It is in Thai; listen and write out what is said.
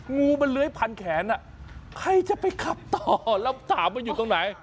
งูมันเลื้อยพันแขนใครจะไปขับต่อแล้วถามว่าอยู่ตรงไหน